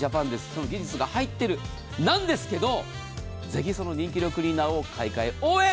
その技術が入っている何ですがぜひその人気のクリーナーを買い替え応援。